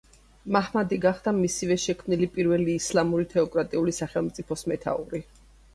მაჰმადი გახდა მისივე შექმნილი პირველი ისლამური თეოკრატიული სახელმწიფოს მეთაური.